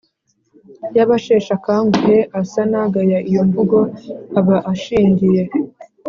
y'abasheshe aka-nguhe asa n'agaya iyo mvugo, aba ashi ngiye